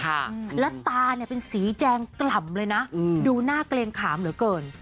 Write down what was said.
ค่ะแล้วตาเนี้ยเป็นสีแดงกล่ำเลยนะอืมดูหน้าเกรงขามเหลือเกิน